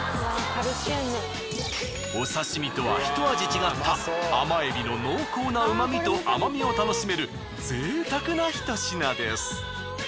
お刺身とはひと味違った甘エビの濃厚な旨みと甘みを楽しめるぜいたくなひと品です。